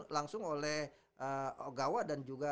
langsung oleh ogawa dan juga